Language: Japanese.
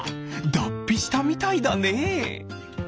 だっぴしたみたいだねえ。